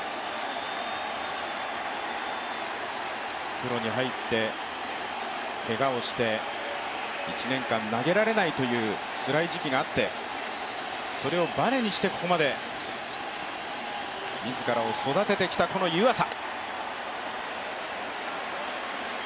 プロに入ってけがをして１年間投げられないというつらい時期があって、それをバネにしてここまで自らを育ててきたこの湯浅。